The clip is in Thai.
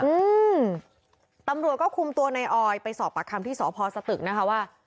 อืมตำรวจก็คุมตัวในออยไปสอบปากคำที่สพสตึกนะคะว่า